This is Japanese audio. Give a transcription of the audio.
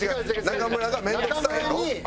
中村が面倒くさいやろ？